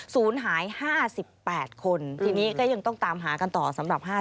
ศูนย์หาย๕๘คนทีนี้ก็ยังต้องตามหากันต่อสำหรับ๕